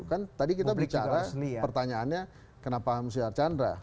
kan tadi kita bicara pertanyaannya kenapa harus diharcandra